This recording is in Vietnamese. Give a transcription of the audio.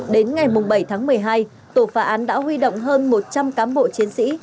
đến ngày bảy tháng một mươi hai tổ phá án đã huy động hơn một trăm linh cán bộ chiến sĩ